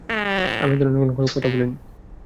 আমি এ ধরনের কোন কথা বলিনি।